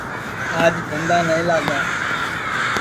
آج دھندا نائی لاگا